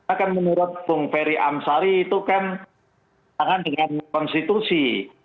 akan menurut bung ferry amsari itu kan tangan dengan konstitusi